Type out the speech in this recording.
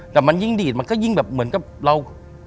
แต่มันยิ่งดีดมันก็ยิ่งแบบเหมือนกับเรา